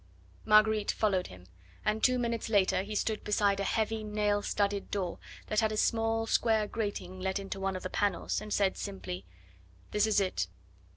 Marguerite followed him, and two minutes later he stood beside a heavy nail studded door that had a small square grating let into one of the panels, and said simply: "This is it."